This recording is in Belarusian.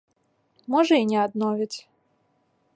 Можа і не адновяць.